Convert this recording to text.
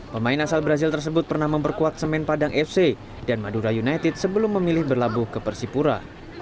pemain asal brazil tersebut pernah memperkuat semen padang fc dan madura united sebelum memilih berlabuh ke persipura